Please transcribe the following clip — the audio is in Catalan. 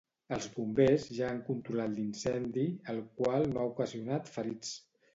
Els Bombers ja han controlat l'incendi, el qual no ha ocasionat ferits.